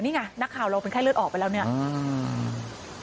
นี่ไงนักข่าวเราเป็นไข้เลือดออกไปแล้วเนี่ย